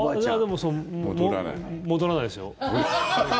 でも戻らないですよ。